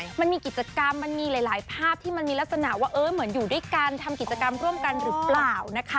มันมีกิจกรรมมันมีหลายภาพที่มันมีลักษณะว่าเออเหมือนอยู่ด้วยกันทำกิจกรรมร่วมกันหรือเปล่านะคะ